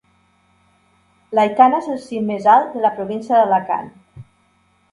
L'Aitana és el cim més alt de la província d'Alacant.